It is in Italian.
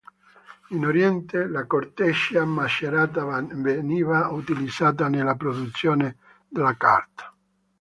In Oriente la corteccia macerata veniva utilizzata nella produzione della carta.